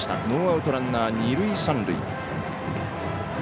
ノーアウト、ランナー、二塁三塁。